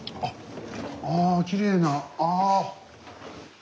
あきれいなあ。